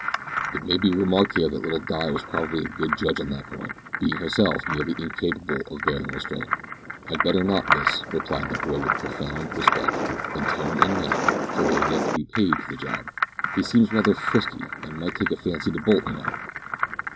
It may be remarked here that little Di was probably a good judge on that point, being herself nearly incapable of bearing restraint. "I'd better not, miss," replied the boy with profound respect in tone and manner, for he had yet to be paid for the job; "he seems raither frisky, an' might take a fancy to bolt, you know."